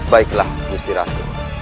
baiklah gusti ratu